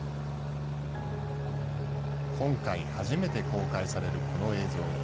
今回、初めて公開されるこの映像。